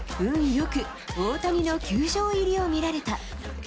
よく、大谷の球場入りを見られた。